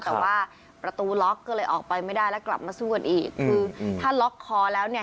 แต่ว่าประตูล็อกก็เลยออกไปไม่ได้แล้วกลับมาสู้กันอีกคือถ้าล็อกคอแล้วเนี่ย